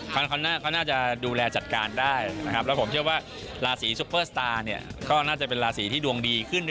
คอนต้องก็น่าจะดูแลจัดการได้นะครับ